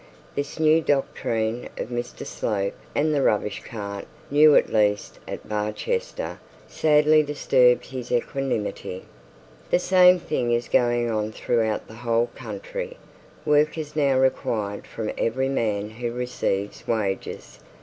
This new doctrine of Mr Slope and the rubbish cart, new at least at Barchester, sadly disturbed his equanimity. 'The same thing is going on throughout the whole country!' 'Work is now required from every man who receives wages!'